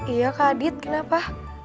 iya kak adit kenapa